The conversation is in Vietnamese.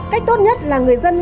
cách tốt nhất là người dân